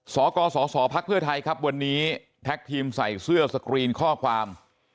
สกสสพักเพื่อไทยครับวันนี้แท็กทีมใส่เสื้อสกรีนข้อความ